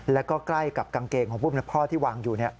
แล้วก็ใกล้กับกางเกงของผู้เป็นพ่อที่วางอยู่